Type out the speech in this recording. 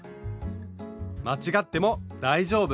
間違っても大丈夫。